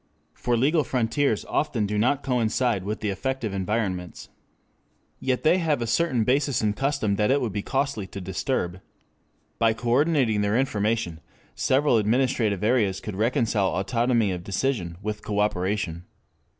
For legal frontiers often do not coincide with the effective environments. Yet they have a certain basis in custom that it would be costly to disturb. By coordinating their information several administrative areas could reconcile autonomy of decision with cooperation.